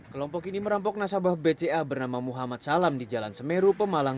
kelompok ini merampok nasabah bca bernama muhammad salam di jalan semeru pemalang